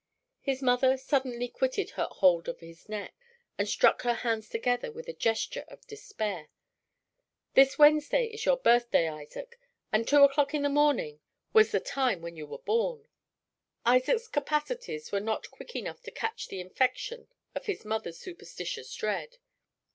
His mother suddenly quitted her hold of his neck, and struck her hands together with a gesture of despair. "This Wednesday is your birthday, Isaac, and two o'clock in the morning was the time when you were born." Isaac's capacities were not quick enough to catch the infection of his mother's superstitious dread.